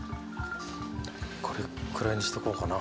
これくらいにしとこうかな。